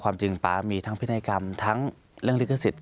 ความจริงป๊ามีทั้งพินัยกรรมทั้งเรื่องลิขสิทธิ